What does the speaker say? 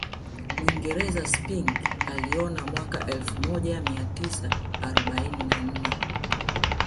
Mwingereza Spink aliona mwaka elfu moja mia tisa arobaini na nne